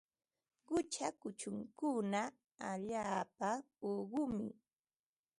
Qucha kuchunkuna allaapa uqumi.